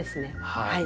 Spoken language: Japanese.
はい。